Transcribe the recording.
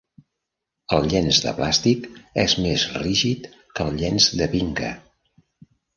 El llenç de plàstic és més rígid que el llenç de Binca.